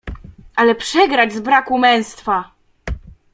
"Ale przegrać z braku męstwa?!"